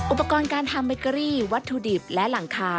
อุปกรณ์การทำเบเกอรี่วัตถุดิบและหลังคา